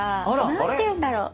何ていうんだろう？